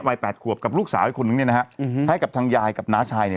วัย๘ขวบกับลูกสาวคนนึงนะฮะให้กับทางยายกับน้าชายเนี่ย